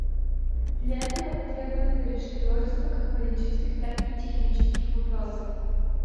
Для этого потребуется решить множество как политических, так и технических вопросов.